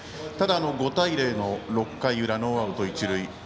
ただ、５対０の６回裏ノーアウト、一塁。